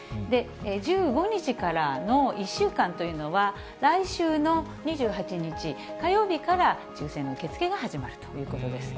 １５日からの１週間というのは、来週の２８日火曜日から抽せんの受け付けが始まるということです。